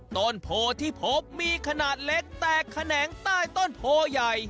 ต้นโพที่พบมีขนาดเล็กแตกแขนงใต้ต้นโพใหญ่